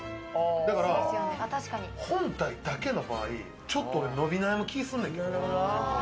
だから本体だけの場合、ちょっと伸び悩む気がすんねんけど。